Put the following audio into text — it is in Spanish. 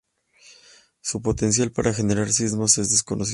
Su potencial para generar sismos es desconocido.